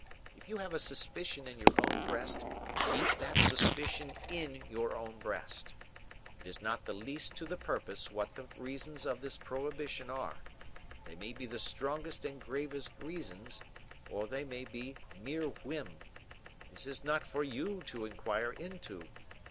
If you have a suspicion in your own breast, keep that suspicion in your own breast. It is not the least to the purpose what the reasons of this prohibition are; they may be the strongest and gravest reasons, or they may be mere whim. This is not for you to inquire into.